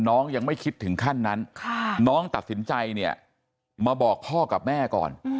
น้องยังไม่คิดถึงขั้นนั้นน้องตัดสินใจเนี่ยมาบอกพ่อกับแม่ก่อน